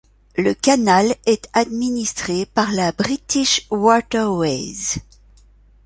Le canal est administré par la British Waterways.